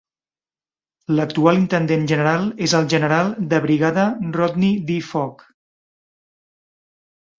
L'actual Intendent General és el general de brigada Rodney D. Fogg.